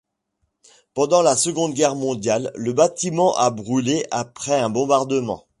Pendant la Seconde Guerre mondiale le bâtiment a brûlé après un bombardement.